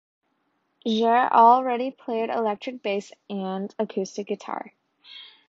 Jere already played electric bass and acoustic guitar.